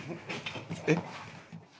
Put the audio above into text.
えっ？